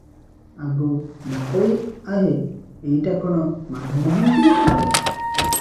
ଆଗ ବାଟୋଇ- ଆହେ! ଏଇଟା କଣ ମାଧ ମହାନ୍ତିଙ୍କ ଘର?